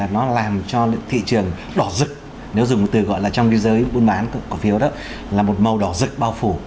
nó làm cho thị trường đỏ rực nếu dùng từ gọi là trong cái giới buôn bán cổ phiếu đó là một màu đỏ rực bao phủ